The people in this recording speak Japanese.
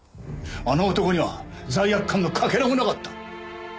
あの男には罪悪感のかけらもなかった。